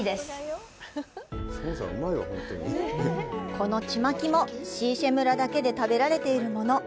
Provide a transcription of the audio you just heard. このちまきも、石舎村だけで食べられているもの。